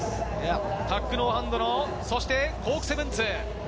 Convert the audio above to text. タックノーハンドの、そしてコーク７２０。